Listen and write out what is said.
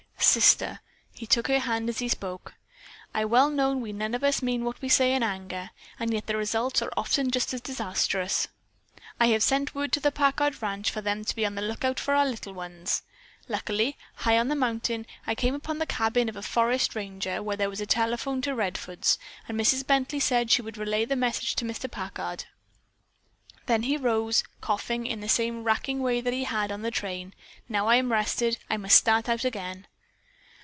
"Sister," he took her hand as he spoke, "I well know we none of us mean what we say in anger, and yet the results are often just as disastrous. I have sent word to the Packard ranch for them to be on the lookout for our little ones. Luckily, high on the mountain, I came upon the cabin of a forest ranger where there was a telephone to Redfords and Mrs. Bently said she would relay the message to Mr. Packard." Then he rose, coughing in the same racking way that he had on the train. "Now I am rested, I must start out again."